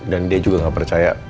dia juga nggak percaya